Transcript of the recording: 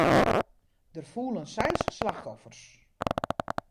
Der foelen seis slachtoffers.